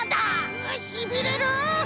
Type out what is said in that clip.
うしびれる！